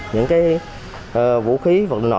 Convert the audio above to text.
những cái vũ khí vật nổ